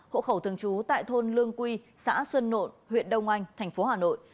hộ khẩu thường trú tại thôn lương quy xã xuân nộn huyện đông anh thành phố hà nội